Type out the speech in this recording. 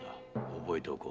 覚えておこう。